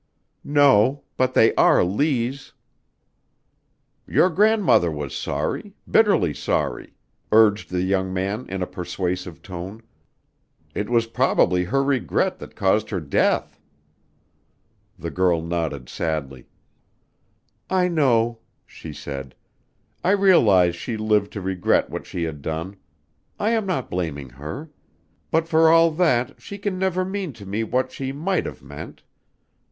"No. But they are Lees." "Your grandmother was sorry bitterly sorry," urged the young man in a persuasive tone. "It was probably her regret that caused her death." The girl nodded sadly. "I know," she said. "I realize she lived to regret what she had done. I am not blaming her. But for all that, she never can mean to me what she might have meant.